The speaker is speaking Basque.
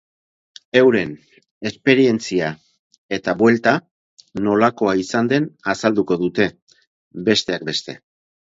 Euren esperientzia eta buelta nolakoa izan den azalduko dute, besteak beste.